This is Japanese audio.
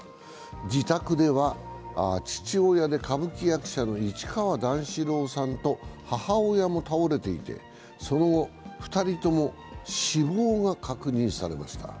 自宅では父親で歌舞伎役者の市川段四郎さんと母親も倒れていて、その後、２人とも死亡が確認されました。